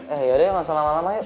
eh yaudah ya ga usah lama lama yuk